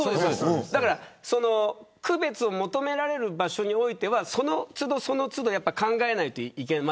区別を求められる場所においてはその都度考えないといけない。